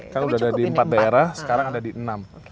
kan sudah ada di empat daerah sekarang ada di enam